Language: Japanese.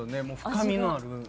もう深みのある。